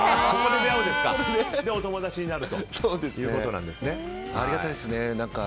お友達になるということなんですね。